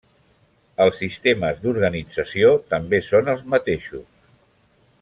Els sistemes d'organització també són els mateixos.